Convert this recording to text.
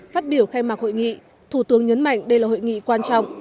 phát biểu khai mạc hội nghị thủ tướng nhấn mạnh đây là hội nghị quan trọng